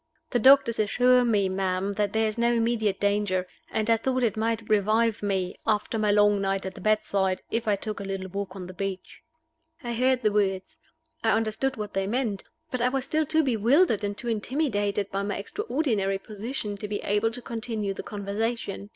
"The doctor assures me ma'am, that there is no immediate danger; and I thought it might revive me, after my long night at the bedside, if I took a little walk on the beach." I heard the words I understood what they meant but I was still too bewildered and too intimidated by my extraordinary position to be able to continue the conversation.